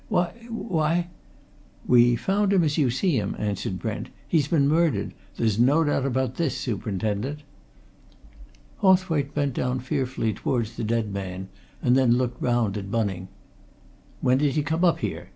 Why why " "We found him as you see him," answered Brent. "He's been murdered! There's no doubt about this, superintendent." Hawthwaite bent down fearfully towards the dead man, and then looked round at Bunning. "When did he come up here?"